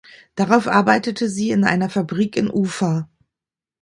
Darauf arbeitete sie in einer Fabrik in Ufa.